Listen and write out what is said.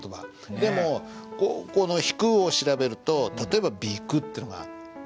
でもこの「引く」を調べると例えば「比丘」っていうのが出てくるでしょ。